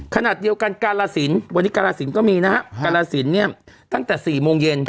ขณะเดียวกันกาลสินวันนี้กาลสินก็มีนะฮะกาลสินเนี่ยตั้งแต่๔โมงเย็น